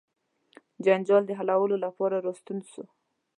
جنجال د حلولو لپاره ورستون سو.